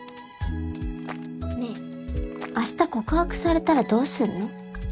ねぇあした告白されたらどうすんの？